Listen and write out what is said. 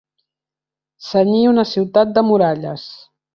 Cenyir una ciutat de muralles.